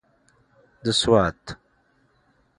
د سوات.